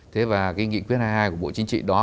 thế và cái nghị quyết hai mươi hai của bộ chính trị đó